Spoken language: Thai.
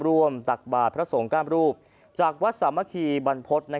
ร่วมตักบาดพระทรงกล้ามรูปจากวัดสามะขี่บรรพฤต